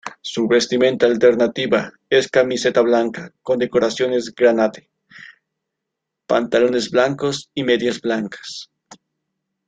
Su vestimenta alternativa es camiseta blanca con decoraciones granate, pantalones blancos y medias blancas.